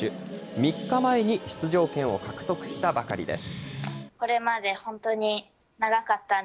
３日前に出場権を獲得したばかりです。